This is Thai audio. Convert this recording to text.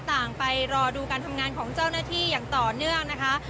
ไปรอดูการทำงานของเจ้าหน้าที่อย่างต่อเนื่องนะคะ